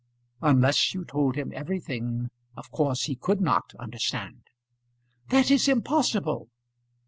"Unless you told him everything, of course he could not understand." "That is impossible."